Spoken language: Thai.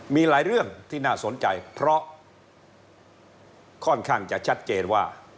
มีหลายเรื่องที่น่าสนใจเพราะค่อนข้างจะชัดเจนว่า